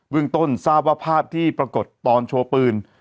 เรื่องต้นทราบว่าภาพที่ปรากฏตอนโชว์ปืน